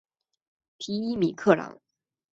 皮伊米克朗。